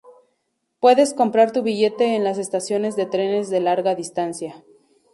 Puedes comprar tu billete en las estaciones de trenes de larga distancia.